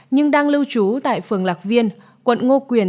nhưng đang lưu trú tại phường lạc viên quận ngô quyền